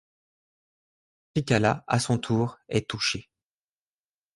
Trikala, à son tour, est touchée.